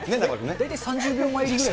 大体３０秒前ぐらい。